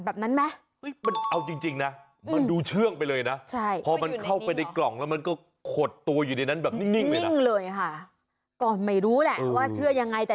ลัวแต่ความเชื่อล่ะกันแต่สิ่งนึงที่ไม่รู้ว่าคุณชี้ส๋าได้บอกไปหรือยัง